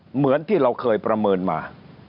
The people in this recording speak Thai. เหมือนที่เราเคยประเมินมา